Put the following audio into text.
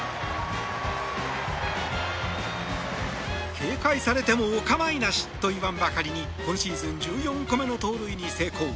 警戒されてもお構いなしといわんばかりに今シーズン１４個目の盗塁に成功。